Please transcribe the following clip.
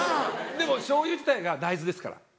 でも醤油自体が大豆ですから。